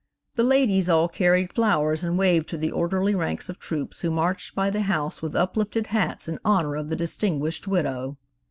The ladies all carried flowers, and waved to the orderly ranks of troops who marched by the house with uplifted hats in honor of the distinguished widow.